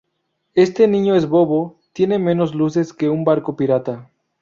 Este niño es bobo. Tiene menos luces que un barco pirata